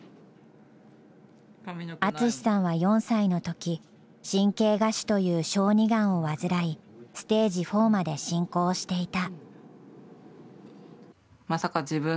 淳さんは４歳のとき、神経芽腫という小児がんを患い、ステージ４まで進行していた。